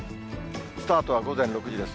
スタートは午前６時です。